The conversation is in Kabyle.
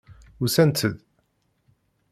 Usant-d.